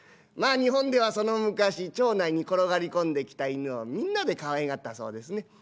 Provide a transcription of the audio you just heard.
まあ日本ではその昔町内に転がり込んできた犬をみんなでかわいがったそうですね。